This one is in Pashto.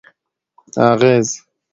اغېز: